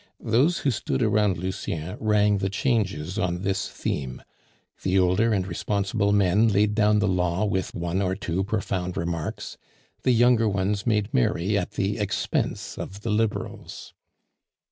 Those who stood about Lucien rang the changes on this theme; the older and responsible men laid down the law with one or two profound remarks; the younger ones made merry at the expense of the Liberals.